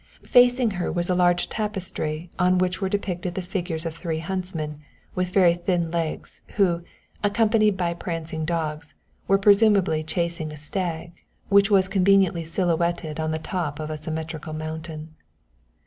Facing her was a large tapestry on which were depicted the figures of three huntsmen, with very thin legs, who, accompanied by prancing dogs, were presumably chasing a stag, which was conveniently silhouetted on the top of a symmetrical mountain.